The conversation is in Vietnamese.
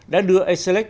đã đưa a selig